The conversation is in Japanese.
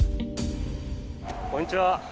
こんにちは。